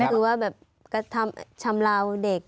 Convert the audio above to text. หมายถึงว่าแบบก็ทำแบบชำระวเด็ก